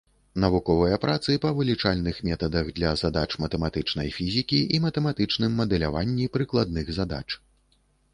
Навуковыя працы па вылічальных метадах для задач матэматычнай фізікі і матэматычным мадэляванні прыкладных задач.